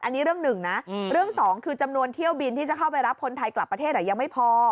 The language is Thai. อันนี้เรื่องหนึ่งนะเรื่องสองคือจำนวนเที่ยวบินที่จะเข้าไปรับคนไทยกลับประเทศยังไม่พอ